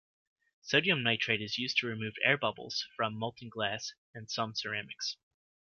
Sodium nitrate is used to remove air bubbles from molten glass and some ceramics.